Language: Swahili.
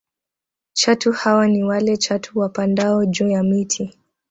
Chatu hawa ni wale chatu wapandao juu ya miti